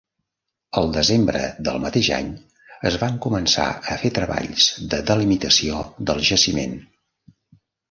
Al desembre del mateix any es van començar a fer treballs de delimitació del jaciment.